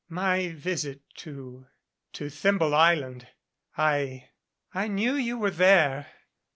"My visit to to Thimble Island I I knew you were there.